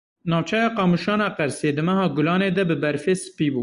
Navçeya Qamuşana Qersê di meha Gulanê de bi berfê spî bû.